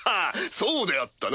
そうであったな。